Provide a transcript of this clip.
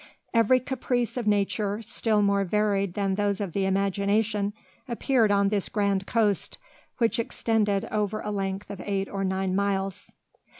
Every caprice of nature, still more varied than those of the imagination, appeared on this grand coast, which extended over a length of eight or nine miles.